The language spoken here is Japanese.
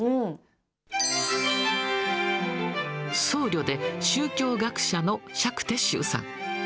僧侶で宗教学者の釈徹宗さん。